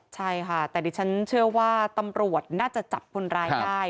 ใช่ค่ะแต่ดิฉันเชื่อว่าตำรวจน่าจะจับคนร้ายได้